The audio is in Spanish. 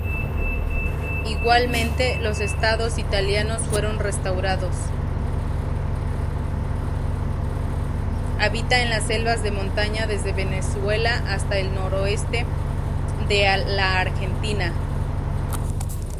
Habita en las selvas de montaña desde Venezuela hasta el noroeste de la Argentina.